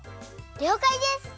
りょうかいです。